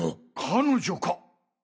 彼女か！